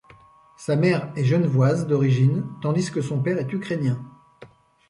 Sa mère est genevoise d'origine tandis que son père est ukrainien.